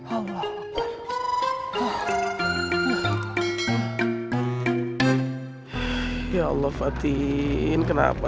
allah tolong fatin kenapa